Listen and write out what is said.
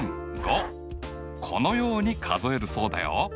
このように数えるそうだよ。